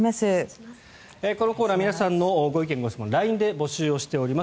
このコーナー皆さんのご意見・ご質問をＬＩＮＥで募集をしております。